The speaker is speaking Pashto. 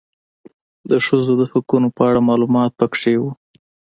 د ښځو د حقونو په اړه معلومات پکي و